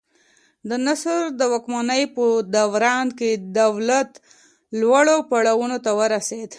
د نصر د واکمنۍ په دوران کې دولت لوړو پوړیو ته ورسېد.